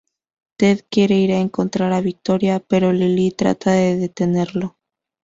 Ted quiere ir a encontrar a Victoria, pero Lily trata de detenerlo.